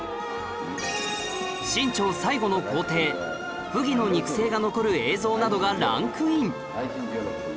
清朝最後の皇帝溥儀の肉声が残る映像などがランクイン